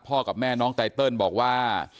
กับแม่น้องไตเติลบอกว่า